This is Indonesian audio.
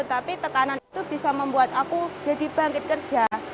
tapi tekanan itu bisa membuat aku jadi bangkit kerja